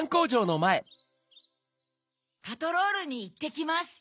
パトロールにいってきます！